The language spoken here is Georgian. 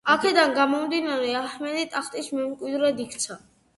აქედან გამომდინარე, აჰმედი ტახტის მემკვიდრედ იქცა.